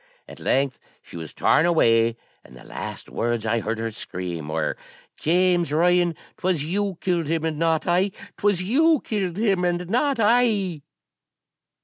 At length she was torn away; and the last words I heard her scream were, 'James Ryan, 'twas you killed him, and not I 'twas you killed him, and not I.'